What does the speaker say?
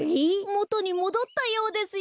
もとにもどったようですよ。